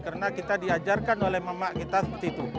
karena kita diajarkan oleh mama kita yang memakai hal hal yang gaib